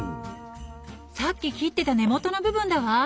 さっき切ってた根元の部分だわ！